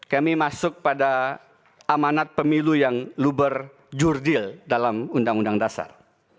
kami masuk pada amanat pemilu yang luber jurdil dalam undang undang dasar